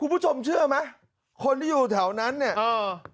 คุณผู้ชมเชื่อไหมคนที่อยู่แถวนั้นเนี่ยเออ